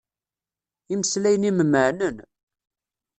Imeslayen-im meɛnen.